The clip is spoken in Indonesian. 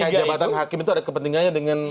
oh terkait jabatan hakim itu ada kepentingannya dengan